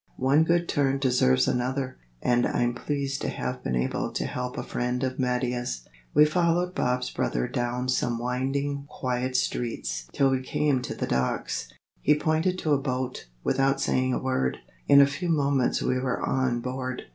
One good turn deserves another. And I'm pleased to have been able to help a friend of Mattia's." We followed Bob's brother down some winding quiet streets till we came to the docks. He pointed to a boat, without saying a word. In a few moments we were on board.